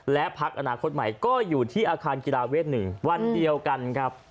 และพักอนาคตใหม่ก็อยู่ที่อาคารกีฬาเวท๑วันเดียวกันครับ